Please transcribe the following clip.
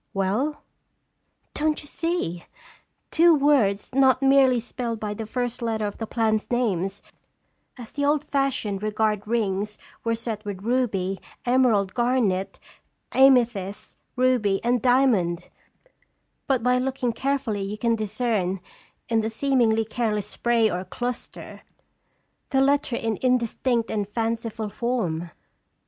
"Well?" "Don't you see? Two words not merely spelled by the first letter of the plants' names, as the old fashioned ' regard ' rings were set with ruby, emerald, garnet, amethyst, ruby, and diamond, but by looking carefully you can 8o <3t discern, in the seemingly careless spray or cluster, the letter in indistinct and fanciful form."